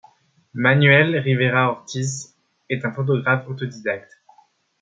Manuel Rivera-Ortiz est un photographe autodidacte.